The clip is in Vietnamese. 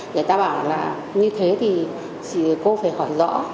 người ta bảo là như thế thì cô phải hỏi rõ